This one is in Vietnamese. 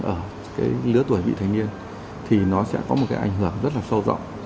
ở cái lứa tuổi bị thanh niên thì nó sẽ có một cái ảnh hưởng rất là sâu rộng